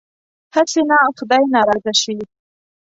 هسې نه خدای ناراضه شي.